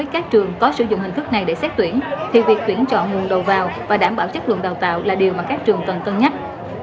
các trường có sử dụng hình thức này để xét tuyển thì việc tuyển chọn nguồn đầu vào và đảm bảo chất lượng đào tạo là điều mà các trường cần cân nhắc